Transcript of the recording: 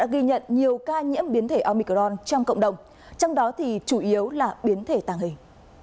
ghi nhận nhiều ca nhiễm biến thể omicron trong cộng đồng trong đó thì chủ yếu là biến thể tàng hình